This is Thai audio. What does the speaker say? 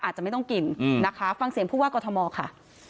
อาจจะไม่ต้องกินนะคะฟังเสียงผู้ว่ากอทมค่ะ